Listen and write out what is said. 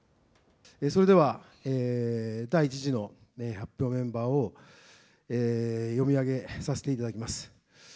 それでは第１次の発表メンバーを読み上げさせていただきます。